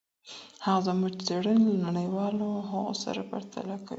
هغه زموږ څېړني له نړیوالو هغو سره پرتله کوي.